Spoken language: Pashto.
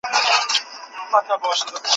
څه پروا ده له هجرانه ستا له یاده مستانه یم